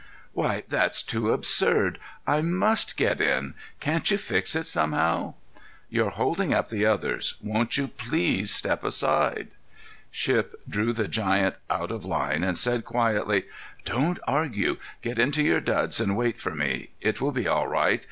Why, that's too absurd! I must get in! Can't you fix it somehow?" "You're holding up the others. Won't you please step aside?" Shipp drew the giant out of line and said, quietly: "Don't argue. Get into your duds and wait for me. It will be all right.